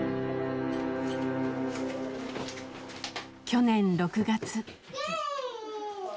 去年６月。